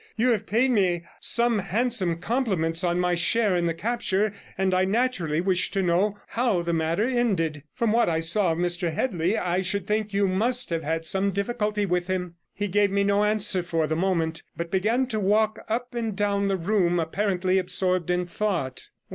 You have paid me some handsome compliments on my share in the capture, and I naturally wish to know how the matter ended. From what I saw of Mr Headley, I should think you must have had some difficulty with him!' He gave me no answer for the moment, but began again to walk up and down the room, apparently absorbed in thought.